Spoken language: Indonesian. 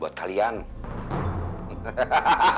esok aku selamat